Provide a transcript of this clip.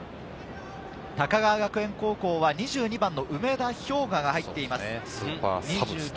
高川学園高校は２２番の梅田彪翔が入っています。